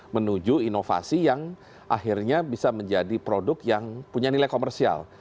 menuju inovasi yang akhirnya bisa menjadi produk yang punya nilai komersial